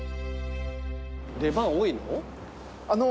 出番多いの？